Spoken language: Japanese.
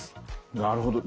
なるほど。